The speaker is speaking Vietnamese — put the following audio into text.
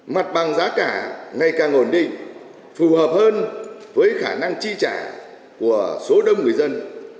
mặt bằng giá cả ngày càng ổn định phù hợp hơn với khả năng chi trả của số đông người dân